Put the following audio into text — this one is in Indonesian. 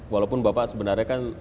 walaupun bapak sebenarnya kan